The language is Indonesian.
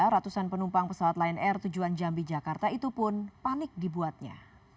ratusan penumpang pesawat lion air tujuan jambi jakarta itu pun panik dibuatnya